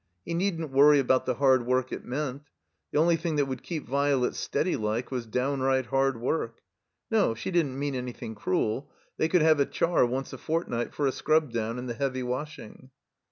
He needn't worry about the hard work it meant. The only thing that wotdd keep Violet steadylike was downright hard work. No; she didn't mean any thing cruel. They could have a char once a fort night for a scrub down and the heavy washing.